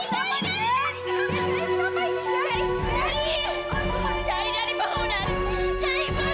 kenapa adi tinggalin lara kenapa